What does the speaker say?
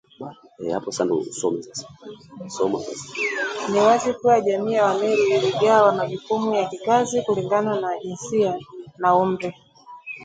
Ni wazi kuwa jamii ya Wameru iligawa majukumu ya kikazi kulingana na jinsia na umri